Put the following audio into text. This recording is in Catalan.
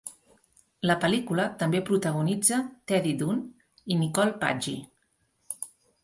La pel·lícula també protagonitza Teddy Dunn i Nicole Paggi.